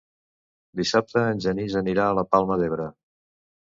Dissabte en Genís anirà a la Palma d'Ebre.